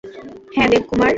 হ্যাঁ, দেবকুমার।